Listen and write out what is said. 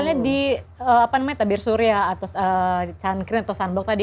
kalau misalnya di tabir surya atau sunscreen atau sunblock tadi